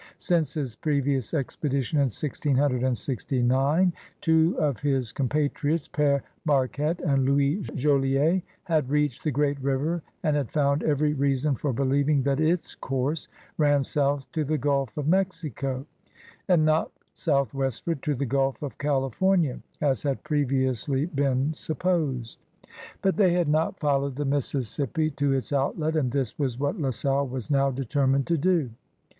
Since his previous expedition in 1669 two of his com patriots, P^re Marquette and Louis Joliet, had reached the Great River and had found every reason for believing that its course ran south to the Gulf of Mexico, and not southwestward to the Gulf of California, as had previously been sup posed. But they had not followed the Mississippi 104 CRUSADERS OF NEW FRANCE to its outlet, and this was what La Salle was now determined to do.